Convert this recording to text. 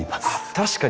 確かに。